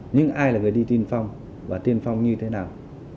những ai là người đi tiên phong và tiên phong như thế nào